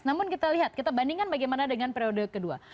namun kita lihat kita bandingkan bagaimana dengan periode kedua